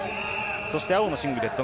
そして青のシングレット